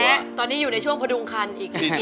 และตอนนี้อยู่ในช่วงพดุงคันอีก